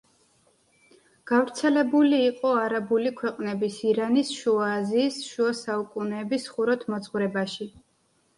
გავრცელებული იყო არაბული ქვეყნების, ირანის, შუა აზიის შუა საუკუნეების ხუროთმოძღვრებაში.